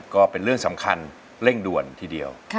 ก็เป็นเรื่องสำคัญเร่งด่วนทีเดียว